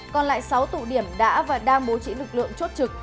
còn lại sáu tụ điểm đã và đang bố trí lực lượng chốt trực